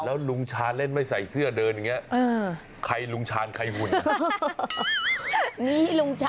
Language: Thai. แล้วลุงชานเล่นไม่ใส่เสื้อเดินอย่างนี้